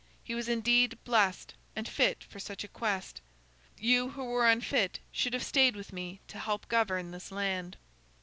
He was indeed blessed, and fit for such a quest. You who were unfit should have stayed with me to help govern this land."